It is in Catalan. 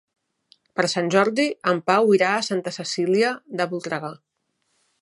Per Sant Jordi en Pau irà a Santa Cecília de Voltregà.